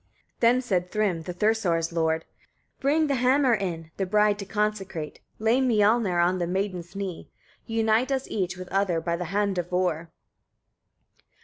31. Then said Thrym, the Thursar's lord: "Bring the hammer in, the bride to consecrate; lay Miollnir on the maiden's knee; unite us each with other by the hand of Vor."